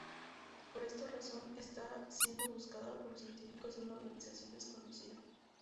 Por esta razón, está siendo buscada por científicos de una organización desconocida.